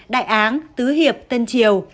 đại áng tứ hiệp tân triều